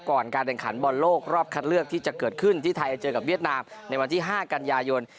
ก่อนการแข่งขันบอลโลกรอบคัดเลือกที่จะเกิดขึ้นที่ไทยเจอกับเวียดนามในวันที่๕กันยายน